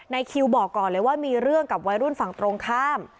คิวบอกก่อนเลยว่ามีเรื่องกับวัยรุ่นฝั่งตรงข้าม